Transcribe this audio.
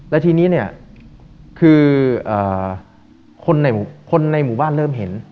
และทีนี้คนในหมู่บ้านเริ่มเห็น